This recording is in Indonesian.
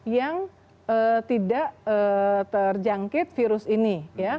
yang tidak terjangkit virus ini